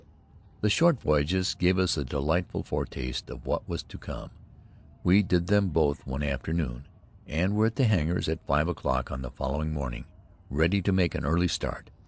The short voyages gave us a delightful foretaste of what was to come. We did them both one afternoon, and were at the hangars at five o'clock on the following morning, ready to make an early start.